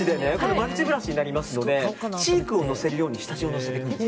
マルチブラシになりますのでチークをのせるように下地をのせるんです。